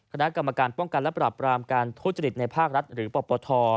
คณะกรรมการป้องกันและปรับรามการทุจริตในภาครัฐหรือปปท